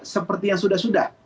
seperti yang sudah sudah